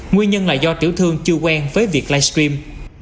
nguyên nhân là do tiểu thương chưa quen với việc live stream